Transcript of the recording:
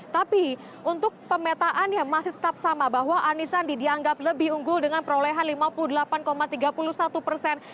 tapi untuk pemetaan yang masih tetap sama bahwa anies sandi dianggap lebih unggul dengan perolehan lima puluh delapan tiga puluh satu persen